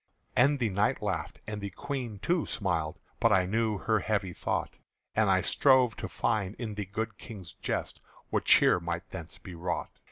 And the Knight laughed, and the Queen, too, smiled; But I knew her heavy thought, And I strove to find in the good King's jest What cheer might thence be wrought.